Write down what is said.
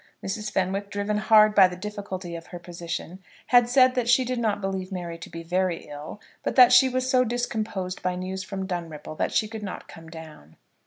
Mrs. Fenwick, driven hard by the difficulty of her position, had said that she did not believe Mary to be very ill, but that she was so discomposed by news from Dunripple that she could not come down.